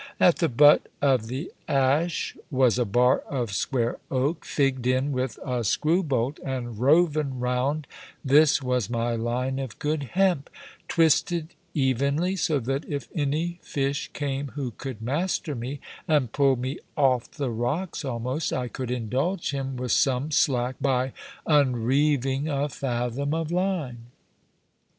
At the butt of the ash was a bar of square oak, figged in with a screw bolt, and roven round this was my line of good hemp, twisted evenly, so that if any fish came who could master me, and pull me off the rocks almost, I could indulge him with some slack by unreeving a fathom of line.